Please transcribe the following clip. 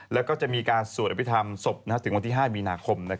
แล้วก็จะมีการสวดอภิษฐรรมศพถึงวันที่๕มีนาคม